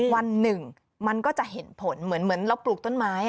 วันหนึ่งมันก็จะเห็นผลเหมือนเราปลูกต้นไม้